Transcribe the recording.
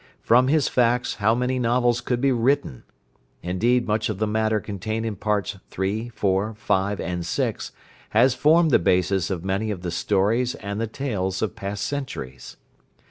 From his facts how many novels could be written! Indeed much of the matter contained in parts III. IV. V. and VI., has formed the basis of many of the stories and the tales of past centuries.